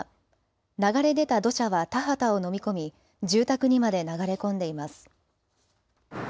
流れ出た土砂は田畑を飲み込み住宅にまで流れ込んでいます。